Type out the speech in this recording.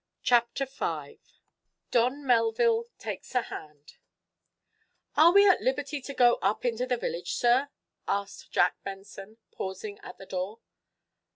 CHAPTER V DON MELVILLE TAKES A HAND "Are we at liberty to go up into the village, sir?" asked Jack Benson, pausing at the door.